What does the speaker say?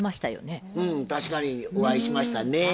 うん確かにお会いしましたね。